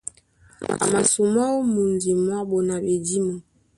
A masumwá ó mundi mwá ɓona ɓedímo.